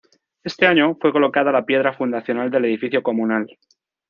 Ese año fue colocada la piedra fundacional del edificio comunal.